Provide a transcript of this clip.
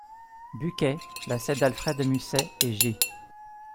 Bucquet : la scène d'Alfred de Musset et G.